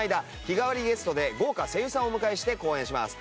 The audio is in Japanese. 日替わりゲストで豪華声優さんをお迎えして公演します。